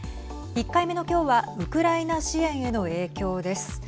１回目の今日はウクライナ支援への影響です。